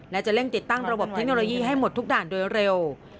และจะเร่งติดตั้งระบบเทคโนโลยีให้หมดทุกด่านโดยเร็ว